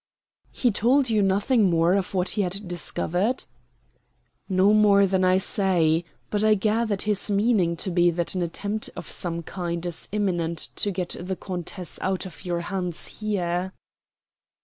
"He told you nothing more of what he had discovered?" "No more than I say. But I gathered his meaning to be that an attempt of some kind is imminent to get the countess out of our hands here."